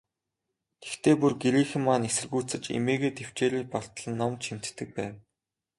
Тэгэхдээ, бүр гэрийнхэн маань эсэргүүцэж, эмээгээ тэвчээрээ бартал нь номд шимтдэг байв.